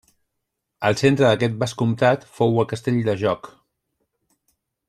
El centre d'aquest vescomtat fou el castell de Jóc.